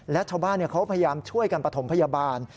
และชาวบ้านเขาพยายามช่วยกันประถมพยาบาล